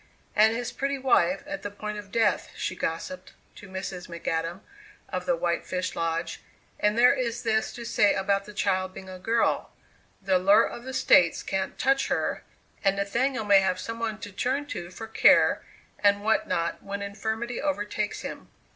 "And his pretty wife at the point of death," she gossiped to Mrs. McAdam of the White Fish Lodge; "and there is this to say about the child being a girl: the lure of the States can't touch her, and Nathaniel may have some one to turn to for care and what not when infirmity overtakes him.